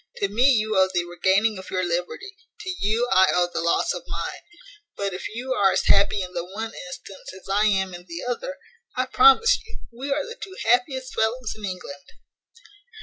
To me you owe the regaining your liberty; to you I owe the loss of mine. But if you are as happy in the one instance as I am in the other, I promise you we are the two happiest fellows in England."